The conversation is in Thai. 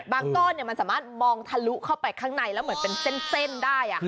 ก้อนมันสามารถมองทะลุเข้าไปข้างในแล้วเหมือนเป็นเส้นได้